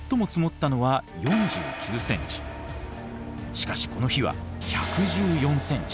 しかしこの日は１１４ｃｍ。